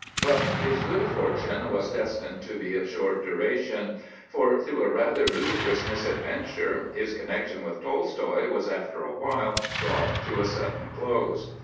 But his good fortune was destined to be of short duration; for through a rather ludicrous misadventure his connection with Tolstoï was after a while brought to a sudden close.